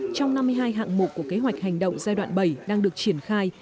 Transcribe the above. trong năm mươi hai hạng mục của kế hoạch hành động giai đoạn bảy đang được triển khai